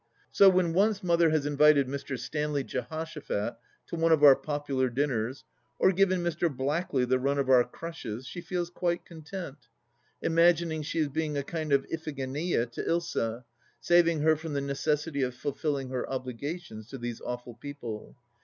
So, when once Mother has invited Mr. Stanley Jehpshaphat to one of our popular dinners, or given Mr. Blackley the run of our crushes, she feels quite content, imagining she is being a kind of tphigenia to Ilsa, saving her from the necessity of fulfilling her obligations to these awful people.